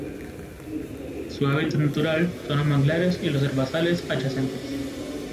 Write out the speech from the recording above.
Su hábitat natural son los manglares y los herbazales adyacentes.